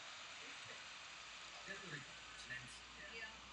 Většinu kariéry strávil v Pražské Spartě.